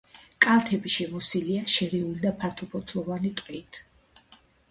კალთები შემოსილია შერეული და ფართოფოთლოვანი ტყით.